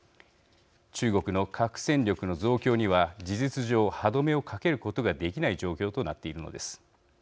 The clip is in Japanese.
中国の核戦力の増強には事実上歯止めをかけることができない状況となっているのです。